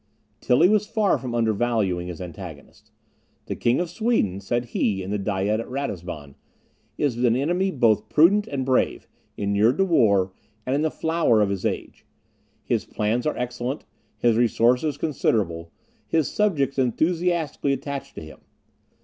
Tilly was far from undervaluing his antagonist, "The King of Sweden," said he in the Diet at Ratisbon, "is an enemy both prudent and brave, inured to war, and in the flower of his age. His plans are excellent, his resources considerable; his subjects enthusiastically attached to him.